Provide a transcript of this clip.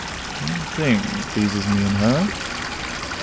One thing pleases me in her.